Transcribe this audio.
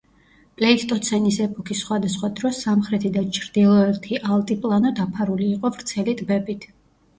პლეისტოცენის ეპოქის სხვადასხვა დროს, სამხრეთი და ჩრდილოეთი ალტიპლანო დაფარული იყო ვრცელი ტბებით.